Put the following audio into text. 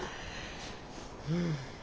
うん。